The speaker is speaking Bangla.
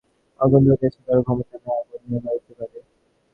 এই অগ্নিস্ফুলিঙ্গ হইতে শুকনো চালে আগুন ধরিয়াছে, কারো ক্ষমতা নাই আগুন নিভাইতে পারে।